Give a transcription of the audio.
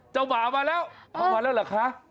เจ้าหมามาแล้วมาแล้วเหรอคะ